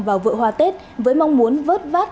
vào vợ hoa tết với mong muốn vớt vát